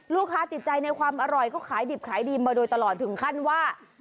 ติดใจในความอร่อยเขาขายดิบขายดีมาโดยตลอดถึงขั้นว่า